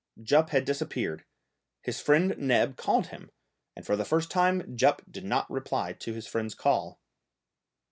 Jup had disappeared. His friend Neb called him, and for the first time Jup did not reply to his friend's call.